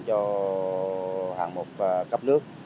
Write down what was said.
cho hạng một cấp nước